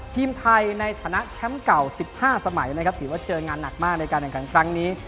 ทีมไทยในฐานะแชมป์เก่า๑๕สมัยนะครับถือว่าเจองานหนักมากในการแข่งขันครั้งนี้